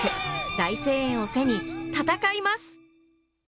大声援を背に、戦います。